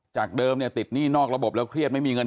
จากเดิมเนี่ยติดหนี้นอกระบบแล้วเครียดไม่มีเงิน